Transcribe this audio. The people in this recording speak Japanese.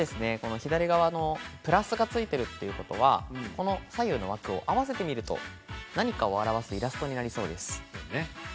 左側がプラスがついているということは左右の枠を合わせてみると何かを表すイラストになりそうです。